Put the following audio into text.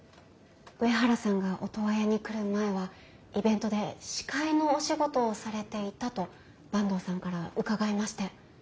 上原さんがオトワヤに来る前はイベントで司会のお仕事をされていたと坂東さんから伺いまして。